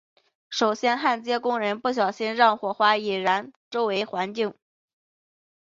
首先焊接工人不小心让火花引燃周围环境。